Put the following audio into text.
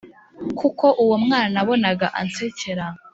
Kuko uwo mwana nabonaga ansekera